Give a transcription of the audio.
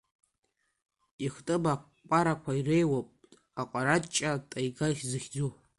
Ихтым акәарақәа иреиуоуп, акәараҷҷа Таига зыхьӡу…